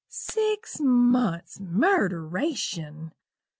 Six months Murderation!